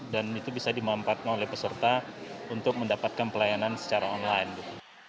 dan itu bisa dimampatkan oleh peserta untuk mendapatkan pelayanan secara online